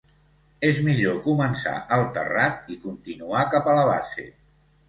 És millor començar al terrat i continuar cap a la base.